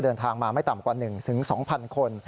เดินทางมาไม่ต่ำกว่า๑๒๐๐คน